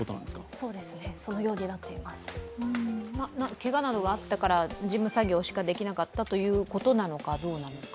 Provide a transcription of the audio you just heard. けがなどがあったから事務作業しかできなかったということなのかどうなのか。